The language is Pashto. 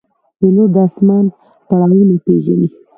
پیلوټ د آسمان پړاوونه پېژني.